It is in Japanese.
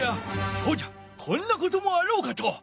そうじゃこんなこともあろうかと。